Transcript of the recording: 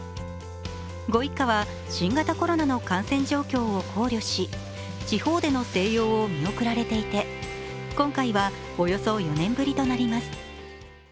ご一家は新型コロナの感染状況を考慮し、地方での静養を見送られていて今回はおよそ４年ぶりとなります。